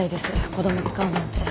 子供を使うなんて。